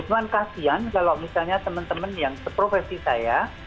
cuma kasihan kalau misalnya teman teman yang seprofesi saya